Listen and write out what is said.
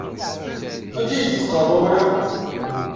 Amek ay d-teqqarem awal-a?